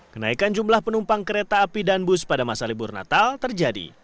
kenaikan jumlah penumpang kereta api dan bus pada masa libur natal terjadi